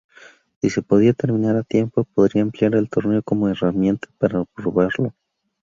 Si se podía terminar a tiempo, podría emplear el torneo como herramienta para probarlo.